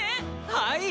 はい！